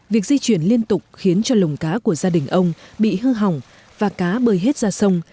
việc di chuyển liên tục khiến cho lồng cá của gia đình ông bị hư hỏng và cá bơi hết ra sông